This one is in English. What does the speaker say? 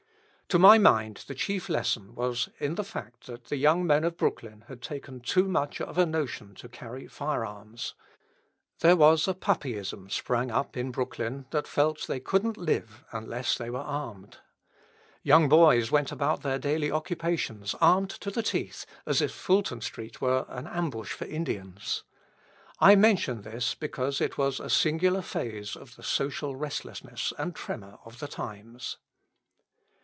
To my mind the chief lesson was in the fact that the young men of Brooklyn had taken too much of a notion to carry firearms. There was a puppyism sprang up in Brooklyn that felt they couldn't live unless they were armed. Young boys went about their daily occupations armed to the teeth, as if Fulton Street were an ambush for Indians. I mention this, because it was a singular phase of the social restlessness and tremor of the times.